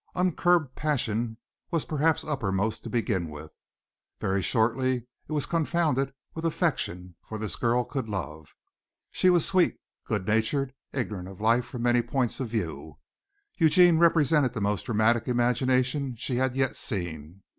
Uncurbed passion was perhaps uppermost to begin with; very shortly it was confounded with affection, for this girl could love. She was sweet, good natured, ignorant of life from many points of view. Eugene represented the most dramatic imagination she had yet seen.